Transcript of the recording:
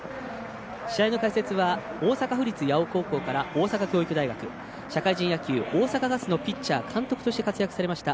試合の解説は大阪府立八尾高校から大阪教育大学、社会人野球大阪ガスのピッチャーと監督として活躍されました